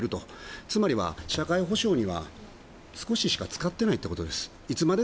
更には社会保障には少ししか使っていないということです。